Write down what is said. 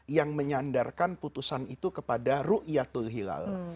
yang menyandarkan putusan itu kepada ru'iyatul hilal